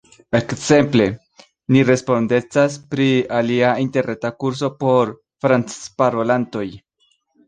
Ekzemple, ni respondecas pri alia interreta kurso por francparolantoj.